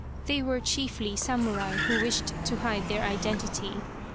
They were chiefly samu rai who wished to hide their identity.